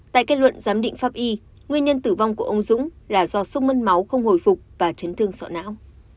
tại kết luận giám định pháp y nguyên nhân tử vong của ông dũng là do sốc mân máu không hồi phục và chấn thương sọ não